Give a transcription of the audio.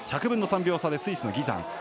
１００分の３秒差でスイスのギザン。